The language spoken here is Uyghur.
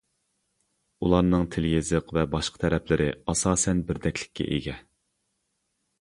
ئۇلارنىڭ تىل-يېزىق ۋە باشقا تەرەپلىرى ئاساسەن بىردەكلىككە ئىگە.